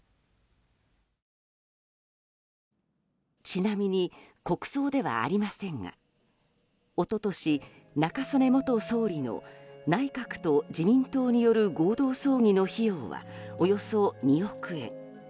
ちなみに国葬ではありませんがおととし、中曽根元総理の内閣と自民党による合同葬儀の費用はおよそ２億円。